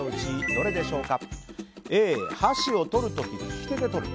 どれでしょうか？